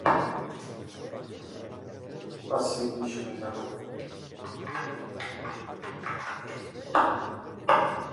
Спасибі, що не забув!